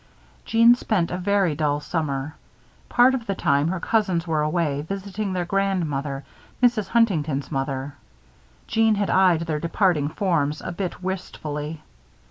Jeanne spent a very dull summer. Part of the time, her cousins were away, visiting their grandmother, Mrs. Huntington's mother. Jeanne had eyed their departing forms a bit wistfully.